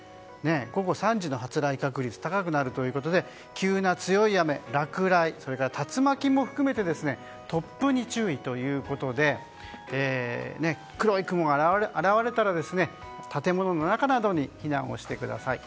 午後３時の発雷確率が高くなるということで急な強い雨、落雷それから竜巻も含め突風に注意ということで黒い雲が現れたら建物の中などに避難をしてください。